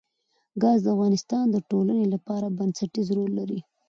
ګاز د افغانستان د ټولنې لپاره بنسټيز رول لري.